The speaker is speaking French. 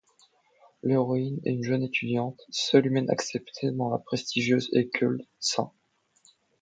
L'héroïne est une jeune étudiante, seule humaine acceptée dans la prestigieuse école St.